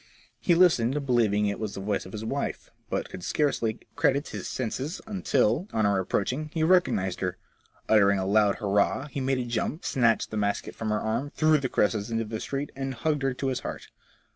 He listened, believing it was the voice of his wife, but could scarcely credit his senses, until, on her approaching, he recognized hjsr. Uttering a loud hurrah, he made a jump, snatched the basket from her arm, threw the cresses into the street, and hugged her to his heart.